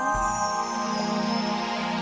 kayaknya sok ngepes kaya buttu gue kadang